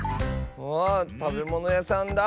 あたべものやさんだ！